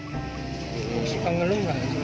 suka ngeluh nggak